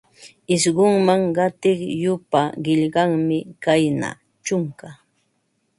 Isqunman qatiq yupa, qillqanmi kayna: chunka